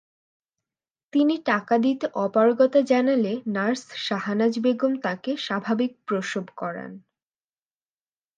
তিনি টাকা দিতে অপারগতা জানালে নার্স শাহানাজ বেগম তাঁকে স্বাভাবিক প্রসব করান।